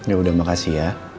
yaudah makasih ya